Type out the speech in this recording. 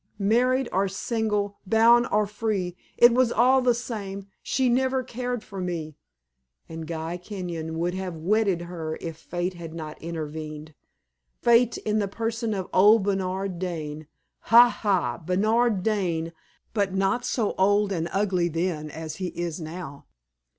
"Married or single, bound or free, it was all the same, she never cared for me. And Guy Kenyon would have wedded her if fate had not interfered fate in the person of old Bernard Dane. Ha! ha! Bernard Dane but not so old and ugly then as he is now.